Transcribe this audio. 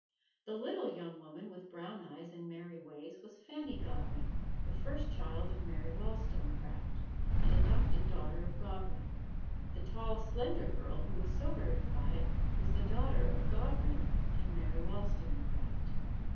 The little young woman with brown eyes and merry ways was Fanny Godwin, the first child of Mary Wollstonecraft and adopted daughter of Godwin. The tall slender girl who was so very quiet was the daughter of Godwin and Mary Wollstonecraft.